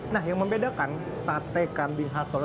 nah yang membedakan sate kambing hasolo